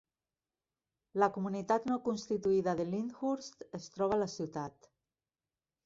La comunitat no constituïda de Lyndhurst es troba a la ciutat.